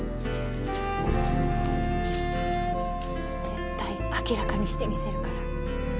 絶対明らかにしてみせるから。